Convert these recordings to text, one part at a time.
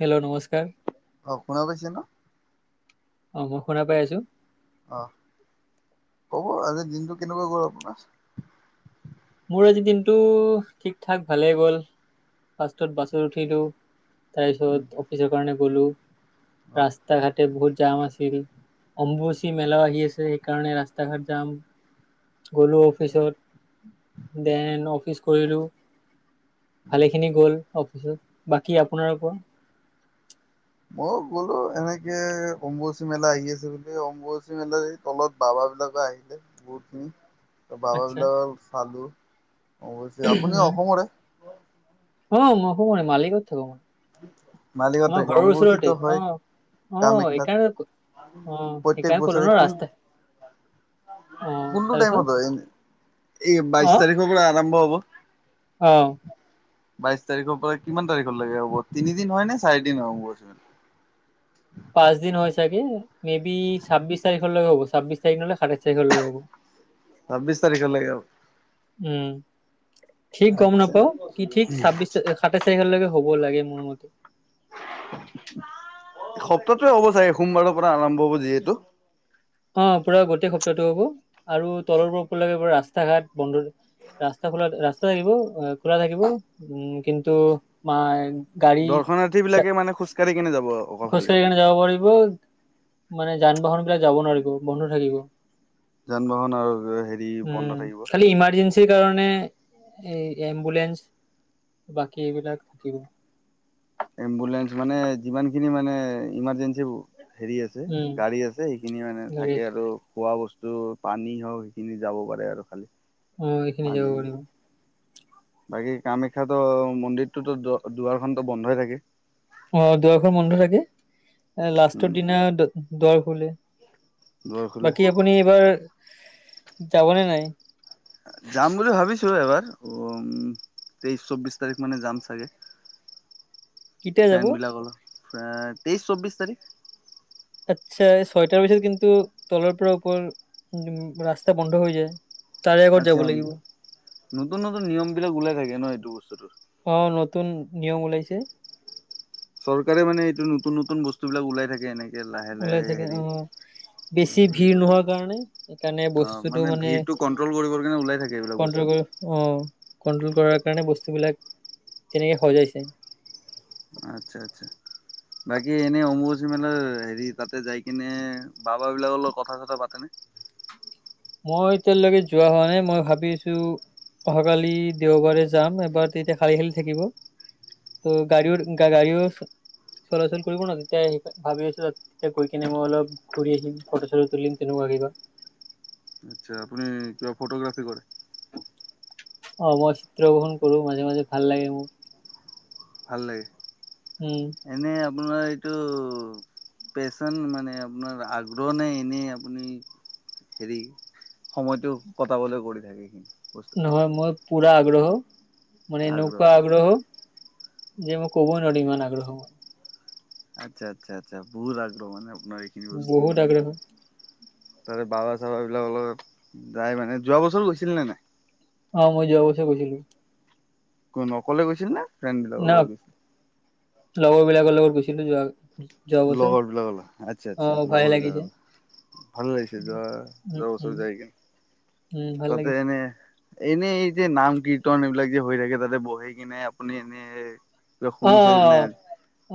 Hello, নমস। অহ ', কোনে কৈছিল নো? অহ ', মই শুনা পাই আছো। অহ ', ক'ব আজি দিনটো কেনেকুৱা গ'ল আপোনাৰ? মোৰ আজি দিনটো ঠিক ঠাক ভালেই গ'ল ফাষষ্টত বাছত উঠিলোঁ। তাৰ উম পিছত অফিচৰ কাৰণে গলো। অ ৰাস্তা ঘাটে বহুত জাম আছে অম্বুচী মেলাও আহি আছে সেইকাৰণে ৰাস্তা ঘাট জাম। গ'লো অফিচত। দেন অফিচ কৰিলোঁ উম ভালেখিনি গ'ল অফিচত বাকী আপোনাৰ কোৱা মইও গ'লো এনেকে অম্বুচী মেলা আহি আছে বুলি অম্বুাচী মেলাৰ এই তলত বাবাবিলাকে আহিলে বহুতখিনি ত বাব আচ্ছা বিলাকক চালো অৱশ্যে আপুনি উম। অসমৰে ব [inaudible] অ মই অসমৰে মালিগাঁওত থাকো মই মালিগাঁৱত আমাৰ থাকে। ঘৰৰ অম্বুবাচী ওচৰতে তো হয় অ'। অ' কামাখ্যাত, সেইকাৰণে অ' প্ৰত্যেক সেইকাৰণে ক'লো ন বছৰে কোন ৰাস্তা অ' কোনটো তাৰপিছত টাইমত হয়? এই বাইশ অ' তাৰিখৰ পৰা আৰম্ভ হ'ব [inaudible] অ বাইশ তাৰিখৰ পৰা কিমান তাৰিখলৈকে হ'ব তিনিদিন হয় নে চাৰিদিন হয় অম্বুবচী মেলা পাঁচ দিন হয় চাগে মে বি ছাব্বিছ তাৰিখৰলৈকে হব ছাব্বিশ তাৰিখ নহলে সাতাইছ তাৰিখলৈকে হব ছাব্বিছ তাৰিখলৈকে হব উম ঠিক গম আচ্ছা নাপাও কি ঠিক ছাব্বিশ সাতাইশ তাৰিখলৈকে হ'ব লাগে মোৰ মতে সপ্তাহটোৱে হ'ব চাগ সোমবাৰৰ পৰা আৰম্ভ হ'ব যিহেতু অ পুৰা গোটেই সপ্তাহটো হব আৰু তলৰ পৰা উপৰলৈকে পুৰা ৰাস্তা ঘাট বন্ধ দি ৰাস্তা খোলা ৰা থাকিব খুলা থাকিব কিন্তু মা দৰ্শনাৰ্থী বিলাকে মানে খোজকাঢ়ি কেনে যাব অকল খালি। খোজকাঢ়ি কেনে যাব পাৰিব মানে যান বাহন বিলাক যাব নোৱাৰিব বন্ধ থাকিব যান বাহন আৰু হেৰি বন্ধ থাকিব সেই কাৰণে এই এম্বুলেন্ঞ্চ বাকী এইবিলাক থাকিব এম্বুলেন্ঞ্চ মানে যিমানখিনি মানে ইমাৰ্জেঞ্চি হেৰি আছে উম। গাড়ী আছে সেইখিনি মানে গাড়ী থাকে আছে। আৰু খোৱা বস্তু তো পানী হওক সেইখিনি যাব পাৰে আৰু খালি অ এইখিনি যাব পানী পাৰিব বাকী কামাখ্যাতো মন্দিৰটোতো দুৱাৰখনতো বন্ধই থাকে অ দোৱাৰখন বন্ধ থাকে এ লাষ্টৰ উম। দিনা দু দুৱাৰ খুলে দুৱাৰ খোলে বাকী আপুনি এইবাৰ যাবনে নাই যাম বুলি ভাবিছো এবাৰ উ উম তেইশ চৌবিশ তাৰিখ মানে যাম চাগে কেতিয়া যাব ফেন বিলাক অলপ, তেইশ চৌব্বিছ তাৰিখ। আচ্ছা ছয়টাৰ পিছত কিন্তু তলৰ পৰা পৰ উপৰ উমমম ৰাস্তা বন্ধ হৈ যায়। তাৰে আগত যাব আচ্ছা লাগিব নতুন -নতুন নিয়ম বিলাক ওলাই থাকে ন'এইটো বস্তুটোৰ। অ নতুন নিয়ম ওলাইছে। চৰকাৰে মানে এইটো নতুন নতুন বস্তু বিলাক ওলাই থাকে এনেকে। লাহে ওলাই লাহে থাকে হেৰি অ, বেছি হেৰি ভিৰ নোহোৱাৰ কাৰণে সেইকাৰণে অ বস্তুটো মানে ভিৰটো কন্ট্ৰল কৰিবৰ কাৰণে ওলাই থাকে এইবিলাক বস্তু কন্ট্ৰল কৰি অ, ' কন্ট্ৰল কৰাৰ কাৰণে বস্তুবিলাক তেনেকে সজাইছে। আচ্ছা -আচ্ছা বাকী এনেই অম্বুবচী মেলাৰ হেৰি তাতে যাই কিনে বাবাবিলাকৰ লগত কথা -চথা পাতেনে? মই এতিয়ালৈকে যোৱা হোৱা নাই মই ভাবি আছো অহাকালি দেওবাৰে যাম এবাৰ তেতিয়া খালি খালি থাকিব ত' গাড়ীও- গাড়ীও চলাচল কৰিব ন 'তেতিয়া ভাবি আছো গৈ কিনে মই অলপ ঘূৰি আহিম ফটো চটো তুলিম তেনেকুৱা কিবা, আচ্ছা আপুনি কিবা ফটোগ্ৰাফি কৰে? অহ' মই চিত্ৰ গ্ৰহণ কৰো মাজে মাজে ভাল লাগে মোক। ভাল লাগে। এনে, আপোনাৰ এইটো পেচন মানে আপোনাৰ আগ্ৰহ নে এনেই আপুনি হেৰি সময়টো কটাবলৈ কৰি থাকে এইখিনি? বস্তু নহয় মই, - পুৰা আগ্ৰহ। মানে নৌকা আগ্ৰহ। যে মই ক'ব নোৱাৰি ইমান আগ্ৰহ, আচ্ছা- আচ্ছা- আচ্ছা বহু আগ্ৰহ মানে। আপোনাৰ এইখিনি বস্তু বহুত আগ্ৰহ। তাৰে বাবা চাবা বিলাক অলপ যাই মানে যোৱা বছৰো গৈছিল নে' নাই? অ ', মই যোৱা বছৰ গৈছিলো। কোন অকলে গৈছিল নে? ফ্ৰেণ্ড ন বিলাকৰ লগত গৈছে? লগৰ বিলাকৰ লগত গুছিলো যোৱা, যোৱা বছৰ লগৰ বিলাকৰ লগত আচ্ছা- অ আচছা ভালে লগৰ লাগিছে বিলাক ভাল লাগিছে, যোৱা উম যোৱা উম বছৰ যায় কিনে। উম, ভাল তাতে লাগিছে এনেই, এনেই এই যে নাম -কীৰ্তন এইবিলাক যে হৈ থাকে তাতে বহি কিনে আপুনি এনে, - কিবা শুনিছেনে নাই, অ',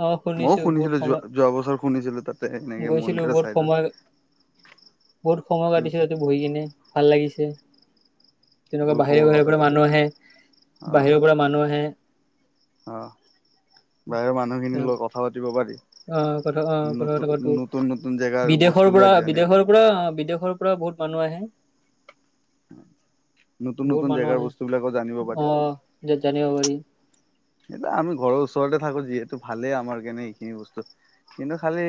অ', মইয়ো শুনিছো বহুত শুনিছিলো সময় যোৱা- -যোৱা বছৰ। শুনিছিলো তাত, গৈছিলো বহুত সময়, বহুত সময় উম কাটিছিলো বহি কিনে। ভাল লাগিছে। তেনেকুৱা বহুত বাহিৰৰ- সময় বাহিৰৰ পৰা কটাইছে মানুহ আহে, বাহিৰৰ পৰা মানুহ আহে। অহ ', বাহিৰৰ মানুহখিনিৰ লগত কথা পাতিব পাৰি। অ কথা, অ কথা নতুন কথা কো নতুন নতুন জেগাৰ বিদেশৰ পৰা, বস্তুবিলাক জানিব বিদেশৰ পৰা বিদেশৰ পৰা বহুত মানুহ আহে। নতুন বহুত নতুন মানুহ জেগাৰ আহে, বস্তুবিলাকো জানিব পাৰি অহ যত জানিব পাৰি। সেইটোয়া আমি ঘৰৰ ওচৰতে থাকো যিহেতু ভালেই আমাৰ কাৰণে এইখিনি বস্তু কিন্তু খালি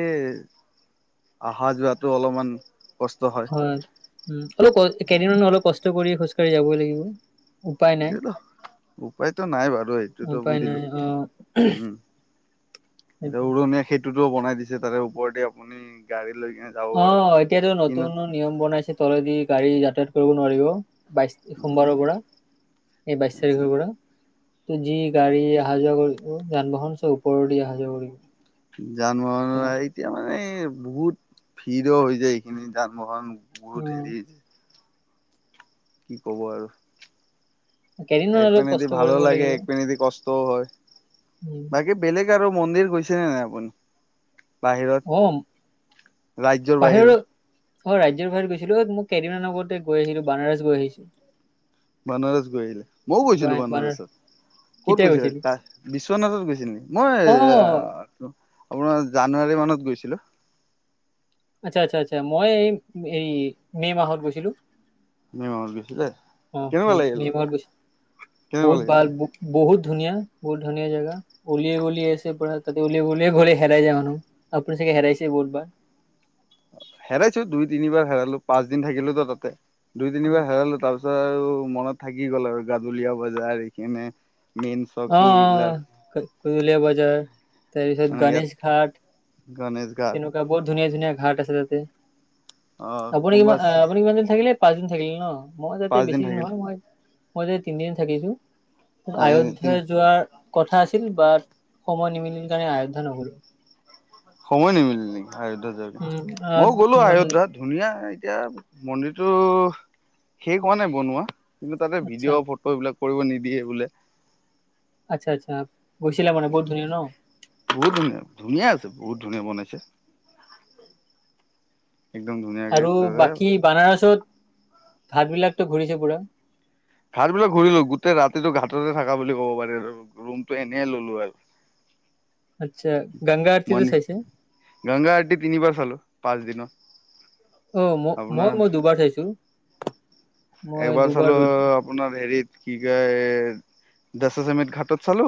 অহা যোৱাতটো অলপমান হয় উ অলপ ক কেইদিনমান অলপ কষ্ট কৰি খোজ কঢ়ি যাবই লাগিব। উপায় নাই সেইটো উপায়তো নাই বাৰু সেইটোতো উপায় বুজিলো নাই অ', উম, এয়া সেইটো উৰণীয়া খেতি টোতোও বনাই দিছে তাৰে ওপৰতে আপুনি গাড়ী লৈ, কিনে যাব অ পাৰে এতিয়াতো কিন্তু নতুন নিয়ম বনাইছে তলেদি গাড়ী কৰিব নোৱাৰিব। বাইছ সোমবাৰৰ পৰা এই বাইছ তাৰিখৰ পৰা। তো যি গাড়ী অহা যোৱা কৰি অ যান বাহন চ ওপৰৰ দি অহা যোৱা কৰিব। যান ব তেনেকুৱা এতিয়া মানে বহুত ভিৰ হৈ যায় এইখিনি যান বাহন, অ বহুত হেৰি, কি কব আৰু। কেইদিনমান এক অলপ পনেদি কষ্ট ভালো কৰিব লাগে লাগিব এক পিনেদি কষ্টও হয় উম বাকী বেলেগ। আৰু মন্দিৰ গৈছেনে নাই আপুনি। অ বাহিৰত ৰাজ্যৰ বাহিৰৰ বাহিৰত অ ৰাজ্যৰ বাহিৰত গৈছিলো অ মোক কেইদিনমান আগতে গৈ আহিলো বানাৰছ গৈ আহিছো। বানাৰস গৈ আহিলে মইও গৈছিলো। বানাৰস বানাৰসত ক'ত কেতিয়া গৈছিলে গৈছিলো বিশ্বনাথত গৈছিল, নে অ মই আপোনাৰ জানুৱাৰী মানত গৈছিলো। চিলোঁ। আচ্ছা-আচ্ছা-আচ্ছা মই এই এই মে মাহত গৈছিলো। মে মাহত গৈছিলে অ কেনেকুৱা উম লাগিল মে মাহত গৈছিলোঁ কেনেকুৱা বহুত লাগিল ভাল তাতে বহুত। ধুনীয়া বহুত ধুনীয়া জেগা উলিয়াই গলিয় আছে পুৰা তাতে উলিয়াই গলিয়ে গলে হেৰাই যায় মানুহ আপুনি চাগে হেৰাইছে বহুতবাৰ। হেৰাইছো দুই তিনিবাৰ হেৰালো পাঁচ দিন থাকিলো তো তাতে। দুই তিনিবাৰ হেৰলো তৰপি তাৰ আৰু মনত থাকি গ'ল আৰু গাজুলীয়া বজাৰ এইখিনে। অ-অ কলীয়া বজাৰ। তাৰপিছত ইয়াত গণেশ ঘাট। গণেশ ঘাট তেনেকুৱা বহুত ধুনীয়া-ধুনীয়া ঘাট আছে তাতে। আহ আপুনি কিমান কোনোবা আপুনি কিমান দিন থাকিলে। পাঁচ দিন থাকিলি ন? মই পাঁচ যাতে বেছি দিন থাকিল নহয় মই মই যে তিনিদিন থাকিছো। আয়োধ্যা তিনি যোৱাৰ কথা আছিল বাট সময় নিমিলিল কাৰণে আয়োধ্যা নগলো। সময় নিমিল নেকি? আয়োধ্যা যে উম আ মই গ'লো মানে আয়োধ্যা ধুনীয়া এতিয়া মন্দিৰটো শেষ হোৱা নাই বনোৱা। কিন্তু তাতে আচ্ছা ভিডিঅ' ফটো এইবিলাক কৰিব নিদিয়ে বোলে। আচ্ছা, আচ্ছা। গৈছিলে মানে, বহুত ধুনীয়া ন? বহুত ধুনীয়া ধুনীয়া আছে বহুত ধুনীয়া বনাইছে। একদম ধুনীয়াকে আৰু বাকী বানাৰাচত ঘাত বিলাকটো ঘূৰিছে পুৰা? ঘাট বিলাক ঘূৰিলো গোটেই ৰাতিটো ঘাটতে থাকা বুলি ক'ব পাৰি আৰু। ৰুমটো এনেই ললো আচ্ছা আৰু। গংগা আৰতিটো মণ চাইছে গংগা আৰতী তিনিবাৰ চালো পাঁচ দিনত। অ, ম মই আপোনাৰ মই দুবাৰ চাইছো। মই এবাৰ দুবাৰ চালো ৰ আপোনাৰ হেৰিত কি কয় দছ চমিট ঘাটত চালো।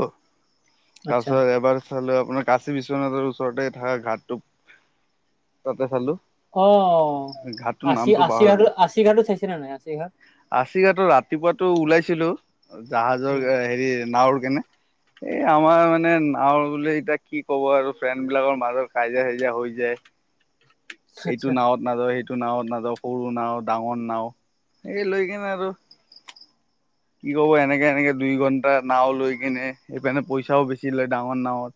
আচ্ছা তাৰপিছত এবাৰ চালো আপোনাৰ কাশি বিশ্বনাথৰ ওচৰতে থকা ঘাটটো তাতে চালো। অ, ঘাটটোৰ নামটো আচি-আচি ঘ আচি ঘাটো চাই কি মানে আচি ঘাট? আছিকা তো ৰাতিপুৱাটো ওলাইছিলো। জাহাজৰ উম হেৰি নাৱৰ কেনে এই আমাৰ মানে নাৱৰ বোলে এতিয়া কি কব আৰু ফ্ৰেণ্ড বিলাকৰ মাজত কাইজীয়া চাইজীয়া হৈ যায়। এইটো আচ্ছা নাৱত নাযাওঁ, সেইটো টো নাওত নাযাও। সৰু নাও, ডাঙৰ নাও সেই লৈ কিনে আৰু কি কব এনেকে এনেকে দুই ঘন্টা নাও লৈ কিনে সপিনে পইচাও বেছি লয় ডাঙৰ নাৱত।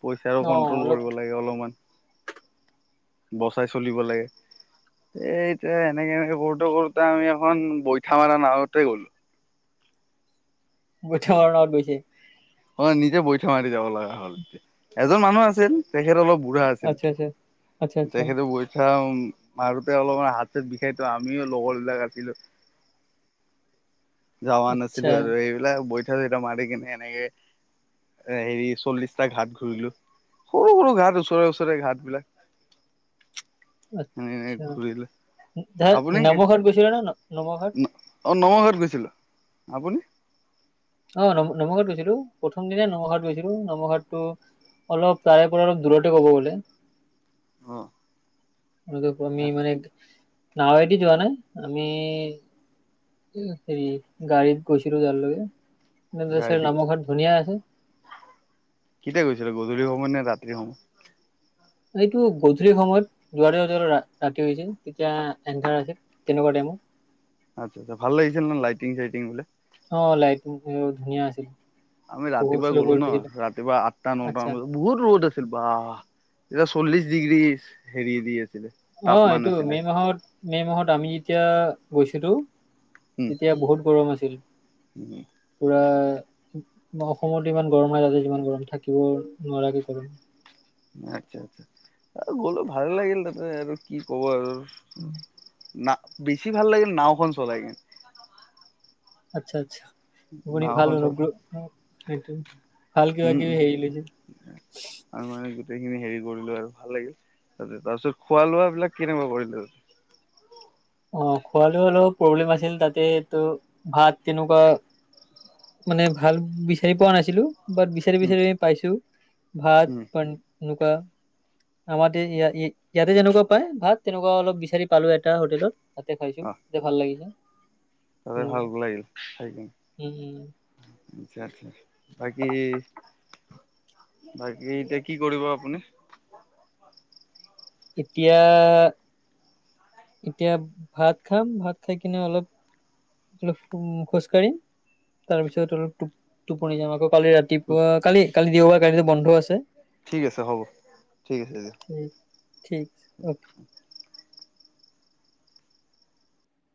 পইচাৰো অ কন্ট্ৰল অলপ কৰিব লাগে অলপমান। বচাই চলিব লাগে। সেই এনেকে এনেকে কৰোতে কৰোতে আমি এখন বৈঠা মাৰ নাওত তেই গল। বৈঠা মাৰব' গৈছে। অ নিজে বৈঠা মাৰি যাব লগা হল। এজন মানুহ আছিল, তেখেত অলপ বুঢ়া আছিল আচ্ছা আচ্ছা আচ্ছা আচ্ছা তেখেতে বৈঠা মাৰুতে অলপমান হাত চাত বিষাই থো আমিও লগৰ বিলাক আছিলো যোৱা আচ্ছা নাছিলো আৰু এইবিলাক বৈ মাৰি কিনি এনেকে এ হেৰি চল্লিশটা ঘাট ঘূৰিলো সৰু সৰু ঘাট ওচৰে ওচৰে ঘাট বিলাক এনে এনে আত্ছা ঘূৰিলো। ধ আপুনি নামঘাট গৈছিল ন নমঘাট অঁ নৱঘাট গৈছিলোঁ আপুনি অ ন নমঘাত গৈছিলো প্ৰথম দিনাাই নমঘাট গৈছিলো নৱঘাতটো অলপ তাৰে পৰা অলপ দূৰতে কব গ'লে অ দে আমি মানে নাৱে এটি যোৱা নাই আমি হেৰি গাড়ীত গৈছিলিলো যাৰ লগে গাড়ী দি নামৰ ঘৰত ধুনীয়া আছে কেতিয়া গৈছিলো গধূলি সময় নে ৰাতিৰ সময় এইটো গধূলি সময়ত যুৱ ব ৰাতিছিল তেতিয়া এন্ধাৰ আছিল তেনেকুৱা টাইমত আচ্ছা আচ্ছা ভাল লাগিছিল ন লাইটিং চাইটিং বিলাক অ লাইটবোৰ ধুনীয়া আছিল আমি পোহৰ ৰাতিপুৱা চোহৰ গলো কৰি ন থৈছিলে ৰাতিপুৱা আঠটা নট আচ্ছা মান বজাত বহুত ৰ'দ আছিল বাহ এটা চল্লিশ ডিগ্ৰী হেৰি দিয়ে অ এইটো মে মাহত মে' মাহত আমি এতিয়া গৈছিলো উম তেতিয়া বহুত গৰম আছিল উম পুৰা অসমত ইমান গৰম হয় তাতে যিমান গৰম থাকিব নোৱাৰ কি গৰম হয় আচ্ছা আচ্ছা আৰু গ'লো ভাল লাগিল তাতে আৰু কি কব আৰু উম না বেছি ভাল লাগিল নাওখন চলাই কিনে আচ্ছা আচ্ছা নাওখন চলাই [unintelligible] সেইটোৱে উম উ আৰু মানে গোটেইখিনি হেৰি কৰিলো আৰু ভাল লাগিল তাতে তাৰপিছত খোৱা লোৱা বিলাক কেনেকুৱা কৰিলো তাতে অ খোৱালে অলপ প্ৰব্লেম আছিল তাতে টো ভাত তেনেকুৱা মানে ভাল বিচাৰি পোৱা নাছিলো বাট বিচাৰি উম বিচাৰি পাইছো ভাত উম [unintelligible] আমাৰতে ইয়াতে যেনেকুৱা পায় ভাত তেনেকুৱা অলপ বিচাৰি পালো এটা হোটেলত তাতে খাইছোঁ অ তাতে ভাল লাগিছে তাতে তেনো ভাল লাগিল খাই কিনে আচ্ছা আচ্ছা বাকী বাকী এতিয়া কি কৰিব আপুনি এতিয়া এতিয়া ভাত খাম ভাত খাই কিনে অলপ -অলপ খোজ কঢ়িম তাৰপিছত অলপ টো টোপনি যাম আকৌ। কালি ৰাতিপুৱা কালি -কালি দেওবাৰ কালিতো বন্ধ আছে। ঠিক আছে হ'ব ঠিক আছে দিয়া। ঠিক ঠিক অ